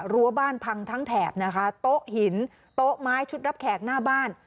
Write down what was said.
รั้วบ้านพังทั้งแถบนะคะโต๊ะหินโต๊ะไม้ชุดรับแขกหน้าบ้าน